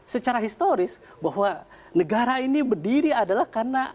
secara historis bahwa negara ini berdiri adalah karena